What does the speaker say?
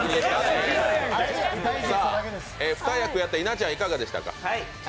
さあ２役やった稲ちゃん、いかがでした？